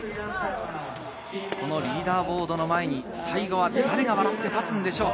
リーダーボードの前に最後は誰が笑って立つのでしょうか？